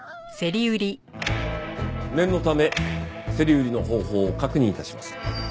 念のため競り売りの方法を確認致します。